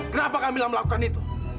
kenapa camilla melakukan itu